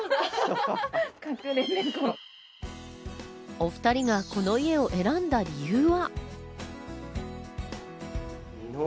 お２人が、この家を選んだ理由は？